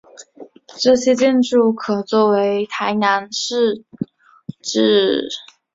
该建筑可做为台南市日治砖造建筑的代表。